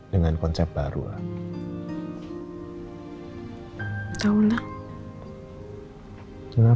dengan konsep baru lah